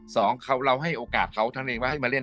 สองเราให้โอกาสเขาทั้งในว่าให้มาเล่น